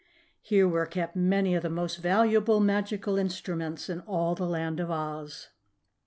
Here were kept many of the most valuable magical instruments in all the Land of Oz.